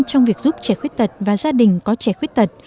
trong việc giúp trẻ khuyết tật và gia đình có trẻ khuyết tật